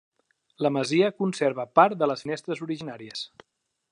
La masia conserva part de les finestres originàries.